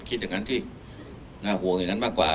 คิดอย่างนั้นสิน่าห่วงอย่างนั้นมากกว่า